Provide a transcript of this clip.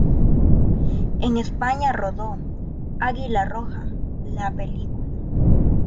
En España rodó "Águila Roja, la película".